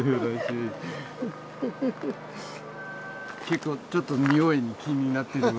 結構ちょっと匂いに気になってる。